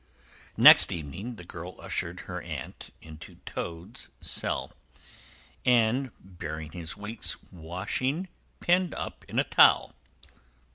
Next evening the girl ushered her aunt into Toad's cell, bearing his week's washing pinned up in a towel.